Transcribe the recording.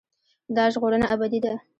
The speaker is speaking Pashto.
دا ژغورنه ابدي ده.